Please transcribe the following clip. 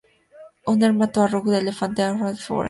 Hunter mató a Rogue elephant of Aberdare Forest.